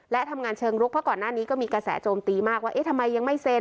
และทำงานเชิงลุกเพราะก่อนหน้านี้ก็มีกระแสโจมตีมากว่าเอ๊ะทำไมยังไม่เซ็น